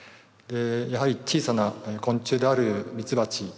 やはり小さな昆虫であるミツバチ